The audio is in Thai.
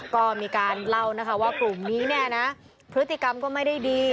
ก็มีการเล่านะคะว่ากลุ่มนี้เนี่ยนะพฤติกรรมก็ไม่ได้ดี